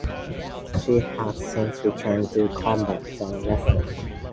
She has since returned to Combat Zone Wrestling.